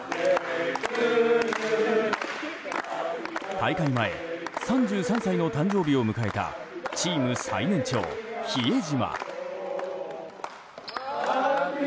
大会前３３歳の誕生日を迎えたチーム最年長、比江島。